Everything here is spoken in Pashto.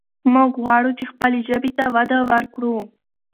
موږ غواړو چې خپلې ژبې ته وده ورکړو.